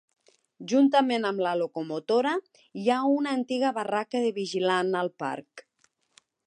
Juntament amb la locomotora, hi ha una antiga "barraca de vigilant" al parc.